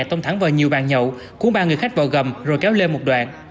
tông thẳng vào nhiều bàn nhậu cuốn ba người khách vào gầm rồi kéo lên một đoạn